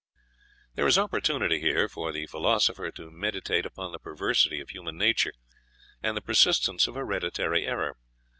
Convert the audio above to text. There is opportunity here for the philosopher to meditate upon the perversity of human nature and the persistence of hereditary error.